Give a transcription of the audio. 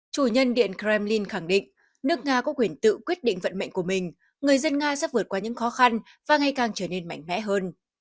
chủ nhân điện kremlin khẳng định nước nga có quyền tự quyết định vận mệnh của mình người dân nga sẽ vượt qua những khó khăn và ngày càng trở nên mạnh mẽ hơn